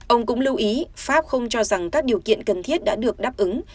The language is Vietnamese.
ông cũng lưu ý pháp không cho rằng các điều kiện cần thiết đã được đáp ứng